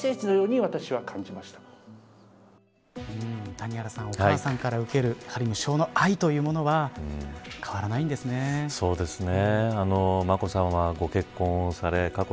谷原さん、お母さんから受ける無償の愛というものは変わらないんですね。